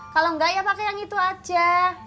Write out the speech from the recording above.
kalau enggak ya pakai yang itu aja